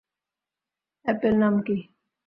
অ্যাপের নাম কী?